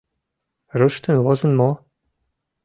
— Руштын возын мо?